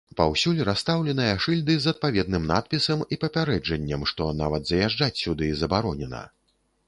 Паўсюль расстаўленыя шыльды з адпаведным надпісам і папярэджаннем, што нават заязджаць сюды забаронена.